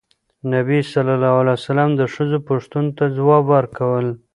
نبي ﷺ د ښځو پوښتنو ته ځواب ورکول.